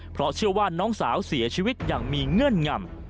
เพราะเชื่อว่าน้องสาวเสียชีวิตอย่างมีเงื่อนงำ